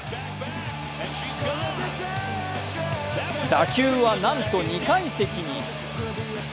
打球は、なんと２階席に。